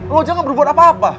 lo jangan berbuat apa apa